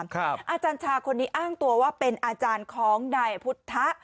อาจารย์ชาคนนี้อ้างตัวว่าเป็นอาจารย์ของนายพุทธะ